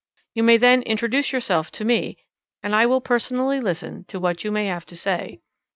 You may then introduce yourself to me, and I will personally listen to what you may have to say.